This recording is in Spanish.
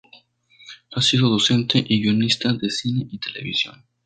Ha sido docente y guionista de cine y televisión.